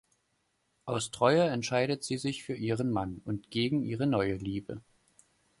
Aus Treue entscheidet sie sich für ihren Mann und gegen ihre neue Liebe.